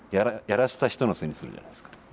やらせた人のせいにするじゃないですか。